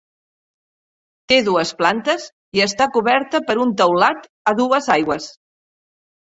Té dues plantes i està coberta per un teulat a dues aigües.